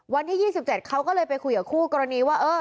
วันที่๒๗เขาก็เลยไปคุยกับคู่กรณีว่า